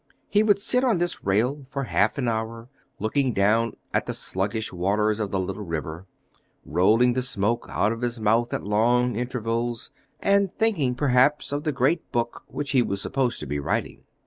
He would sit on this rail for half an hour looking down at the sluggish waters of the little river, rolling the smoke out of his mouth at long intervals, and thinking perhaps of the great book which he was supposed to be writing.